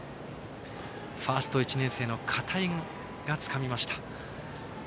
ファースト、１年生の片井がつかみました。